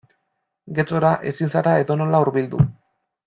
Getxora ezin zara edonola hurbildu.